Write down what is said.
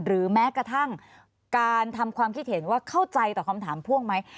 แม้กระทั่งการทำความคิดเห็นว่าเข้าใจต่อคำถามพ่วงไหม